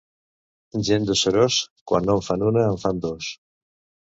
Gent de Seròs, quan no en fan una en fan dos.